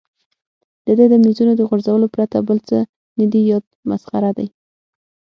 د ده د مېزونو د غورځولو پرته بل څه نه دي یاد، مسخره دی.